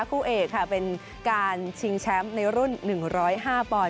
คู่เอกค่ะเป็นการชิงแชมป์ในรุ่น๑๐๕ปอนด